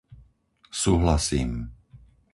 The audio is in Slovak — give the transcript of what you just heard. Súhlasím.